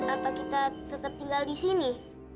apa kita tetap tinggal di sini